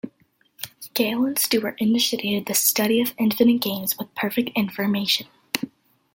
Gale and Stewart initiated the study of infinite games with perfect information.